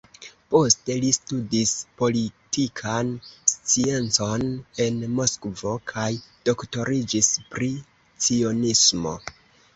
Poste li studis politikan sciencon en Moskvo kaj doktoriĝis pri cionismo.